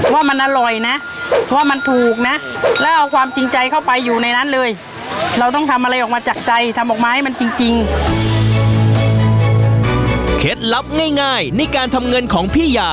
ว่ามันอร่อยนะว่ามันถูกนะแล้วเอาความจริงใจเข้าไปอยู่ในนั้นเลย